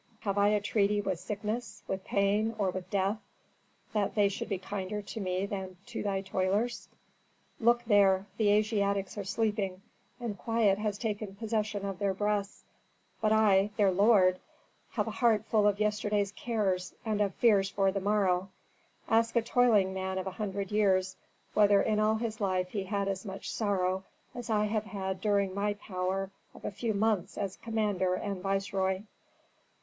Have I a treaty with sickness, with pain, or with death, that they should be kinder to me than to thy toilers? "Look there: the Asiatics are sleeping, and quiet has taken possession of their breasts; but I, their lord, have a heart full of yesterday's cares, and of fears for the morrow. Ask a toiling man of a hundred years whether in all his life he had as much sorrow as I have had during my power of a few months as commander and viceroy."